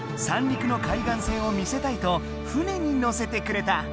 三陸の海岸線を見せたいと船に乗せてくれた！